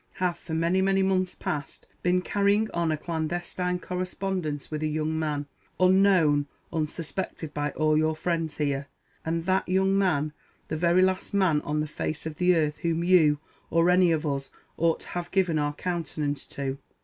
have, for many, many months past, been carrying on a clandestine _correspondence _with a young man, unknown, unsuspected by all your friends here! and that young man, the very last man on the face of the earth whom you, or any of us, ought to have given our countenance _to!